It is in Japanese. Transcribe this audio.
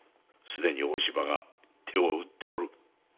すでに大柴が手を打っておる。